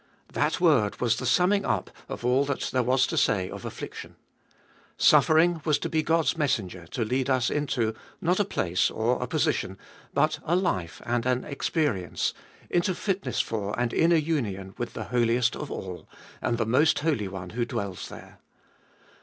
That word was the summing up of all that there was to say of affliction. Suffering was to be God's messenger to lead us into, not a place or a position, but a life and an experi ence, into fitness for and inner union with the Holiest of All, and the Most Holy One who dwells there.